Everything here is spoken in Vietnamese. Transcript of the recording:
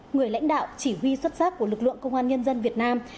người lãnh đạo chỉ huy xuất sắc của lực lượng công an nhân dân việt nam